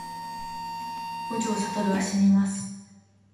五条悟はしにます